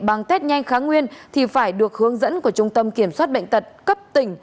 bằng test nhanh kháng nguyên thì phải được hướng dẫn của trung tâm kiểm soát bệnh tật cấp tỉnh